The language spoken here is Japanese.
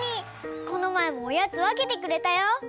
このまえもおやつわけてくれたよ。